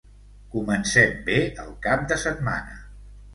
Comencem bé el cap de setmana.